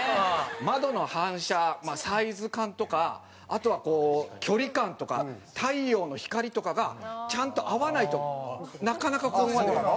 窓の反射サイズ感とかあとはこう距離感とか太陽の光とかがちゃんと合わないとなかなかここまで。